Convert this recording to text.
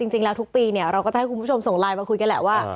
จริงแล้วทุกปีเนี่ยเราก็จะให้คุณผู้ชมส่งไลน์มาคุยกันแหละว่า